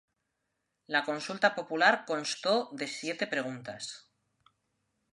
La consulta popular constó de siete preguntas.